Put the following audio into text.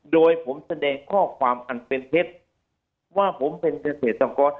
โดยผมแสดงข้อความอันเป็นเท็จว่าผมเป็นเกษตรกร